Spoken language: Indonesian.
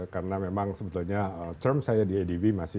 karena memang sebetulnya term saya di adb masih